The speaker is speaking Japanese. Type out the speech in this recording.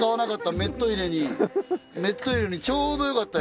メット入れにちょうどよかったよ